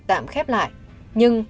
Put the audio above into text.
tạm khép lại nhưng